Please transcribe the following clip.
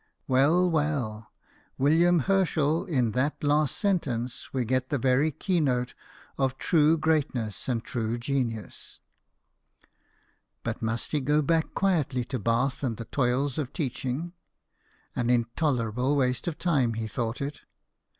Well, well, William Herschel, in that last sentence we get the very keynote of true greatness and true genius. But must he go back quietly to Bath and the toils of teaching? "An intolerable waste of time," he thought it.